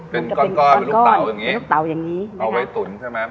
เป็นก้อนเป็นลูกเต่าอย่างนี้เอาไว้ตุ๋นใช่ไหม